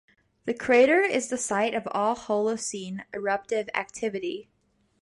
This crater is the site of all Holocene eruptive activity.